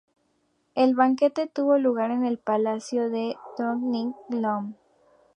El banquete tuvo lugar en el palacio de Drottningholm.